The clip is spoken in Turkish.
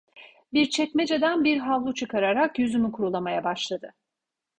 Bir çekmeceden bir havlu çıkararak yüzümü kurulamaya başladı.